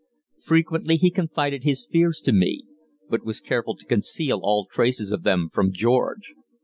Frequently he confided his fears to me, but was careful to conceal all traces of them from George.